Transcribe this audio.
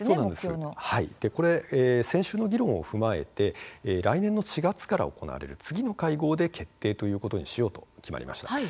先週の議論を踏まえて来年の４月から行われる次の会合で決定しようということになりました。